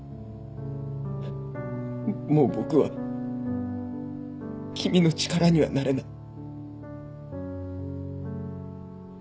もう僕は君の力にはなれない。